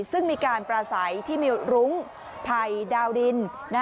ซึ่งมีการปราศัยที่มีรุ้งไผ่ดาวดิน